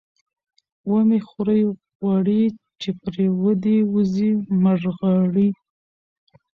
ـ ومه خورئ غوړي ،چې پرې ودې وځي مړغړي.